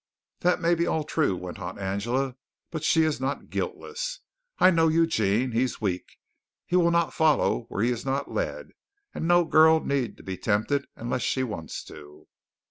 "That may be all true," went on Angela, "but she is not guiltless. I know Eugene. He is weak, but he will not follow where he is not led, and no girl need be tempted unless she wants to."